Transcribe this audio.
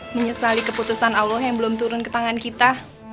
menyesali keputusan allah yang belum turun ke tangan kita